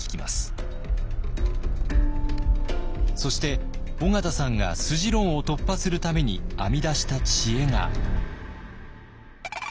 そして緒方さんが筋論を突破するために編み出した知恵が。